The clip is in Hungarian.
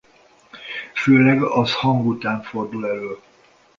Főleg az hang után fordul elő.